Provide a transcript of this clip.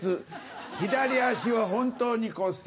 左足は本当に骨折。